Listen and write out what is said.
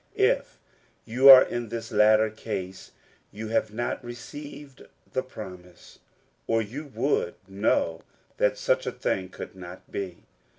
If you are in this latter case you have not received the promise^ or you would know that such a thing could not be.